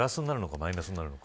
マイナスになるのか。